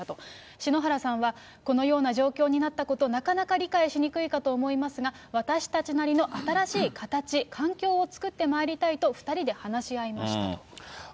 篠原さんはこのような状況になったこと、なかなか理解しにくいかと思いますが、私たちなりの新しい形、環境を作ってまいりたいと２人で話し合いましたと。